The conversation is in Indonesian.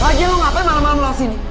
lagian lu ngapain malem malem lu disini